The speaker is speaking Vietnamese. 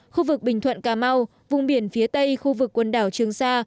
khu vực bình thuận cà mau vùng biển phía tây khu vực quần đảo trường sa